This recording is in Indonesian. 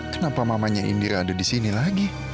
kenapa mamanya indira ada di sini lagi